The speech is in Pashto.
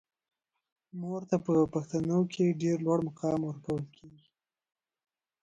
مور ته په پښتنو کې ډیر لوړ مقام ورکول کیږي.